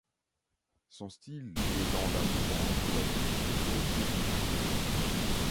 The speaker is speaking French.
Son style est dans la mouvance de la techno de Détroit.